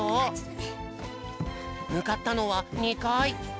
むかったのは２かい。